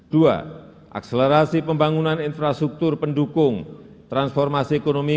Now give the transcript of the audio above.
dua akselerasi pembangunan infrastruktur pendukung transformasi ekonomi